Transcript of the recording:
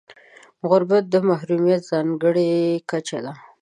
غربت د محرومیت ځانګړې کچه ده.